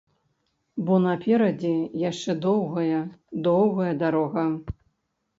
Бо наперадзе яшчэ доўгая, доўгая дарога.